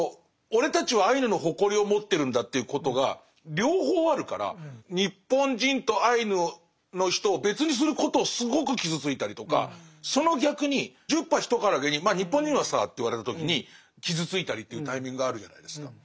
俺たちはアイヌの誇りを持ってるんだっていうことが両方あるから日本人とアイヌの人を別にすることをすごく傷ついたりとかその逆に十把一からげに「まあ日本人はさ」って言われた時に傷ついたりっていうタイミングがあるじゃないですか。